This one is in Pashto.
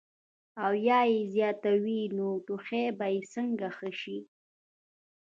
او يا ئې زياتوي نو ټوخی به څنګ ښۀ شي -